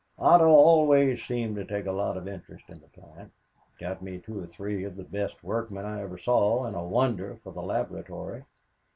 Otto always seemed to take a lot of interest in the plant, got me two or three of the best workmen I ever saw and a wonder for the laboratory.